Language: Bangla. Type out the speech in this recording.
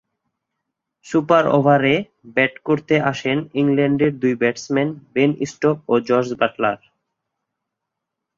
সুপার ওভারে ব্যাট করতে আসেন ইংল্যান্ডের দুই ব্যাটসম্যান বেন স্টোকস ও জস বাটলার।